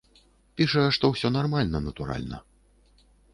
Піша, што ўсё нармальна, натуральна.